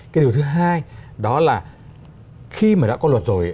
cái điều thứ hai đó là